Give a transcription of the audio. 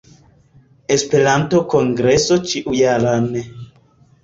Esperanto-kongreson ĉiujaran